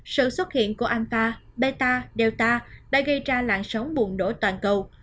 sự xuất hiện của alpha beta delta đã gây ra lạng sóng buồn nổ toàn cầu